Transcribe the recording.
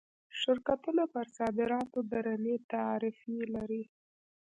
شرکتونه پر صادراتو درنې تعرفې لري.